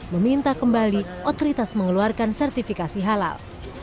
meminta kembali otoritas mengeluarkan sertifikasi halal